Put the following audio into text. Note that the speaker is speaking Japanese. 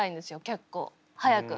結構早く。